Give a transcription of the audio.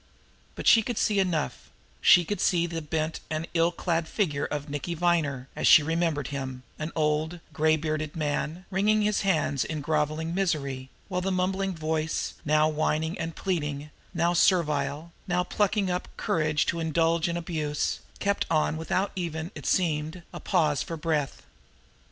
But she could see enough she could see the bent and ill clad figure of Nicky Viner, as she remembered him, an old, gray bearded man, wringing his hands in groveling misery, while the mumbling voice, now whining and pleading, now servile, now plucking up courage to indulge in abuse, kept on without even, it seemed, a pause for breath.